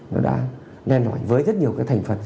nó đã nên nói với rất nhiều cái thành phần